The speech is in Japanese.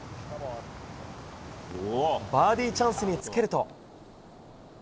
バーディーチャンスにつけると。